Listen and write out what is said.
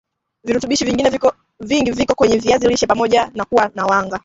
virutubishi vingine vingi viko kwenye viazi lishe pamoja na kuwa na wanga